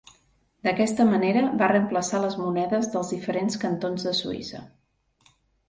D'aquesta manera va reemplaçar les monedes dels diferents cantons de Suïssa.